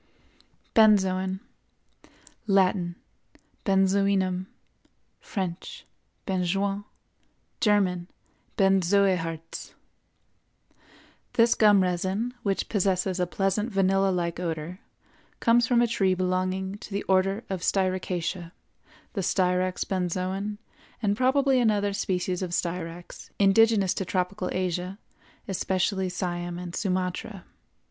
BENZOIN. Latin—Benzoinum; French—Benjoin; German—Benzoëharz. This gum resin, which possesses a pleasant vanilla like odor, comes from a tree belonging to the Order of Styracaceæ, the Styrax Benzoin, and probably another species of Styrax, indigenous to tropical Asia, especially Siam and Sumatra.